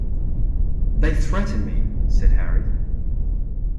"They threaten me," said Harry.